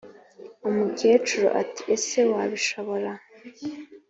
” umukecuru ati:” ese wabishobora,